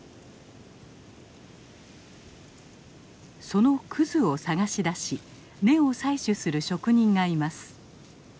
そのクズを探し出し根を採取する職人がいます。